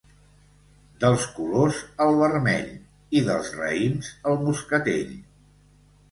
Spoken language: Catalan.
Dels colors, el vermell, i dels raïms, el moscatell.